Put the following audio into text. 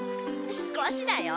少しだよ。